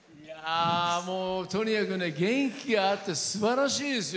とにかくね元気があってすばらしいですよ！